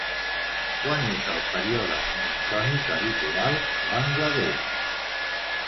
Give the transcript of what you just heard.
Quan és el període monsònic habitual a Bangla Desh?